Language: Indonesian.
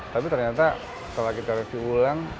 tapi ternyata setelah kita review ulang